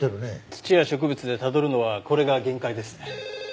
土や植物でたどるのはこれが限界ですね。